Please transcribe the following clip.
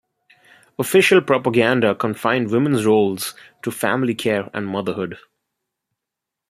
Official propaganda confined women's roles to family care and motherhood.